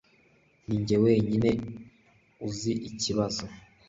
Ninjye wenyine uzi ikibazo